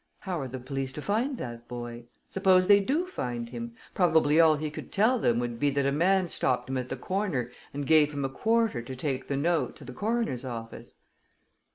How are the police to find that boy? Suppose they do find him? Probably all he could tell them would be that a man stopped him at the corner and gave him a quarter to take the note to the coroner's office."